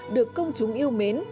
được công chúng yêu mến